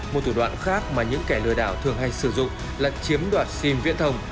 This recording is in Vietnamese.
một thủ đoạn khác mà những kẻ lừa đảo thường hay sử dụng là chiếm đoạt sim viễn thông